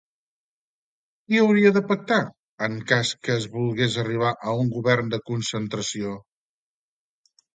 Qui hauria de pactar en cas que es volgués arribar a un govern de concentració?